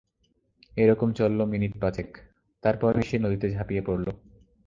এ-রকম চলল মিনিট পাঁচেক, তার পরই সে নদীতে ঝাঁপিয়ে পড়ল।